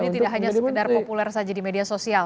jadi tidak hanya sekedar populer saja di media sosial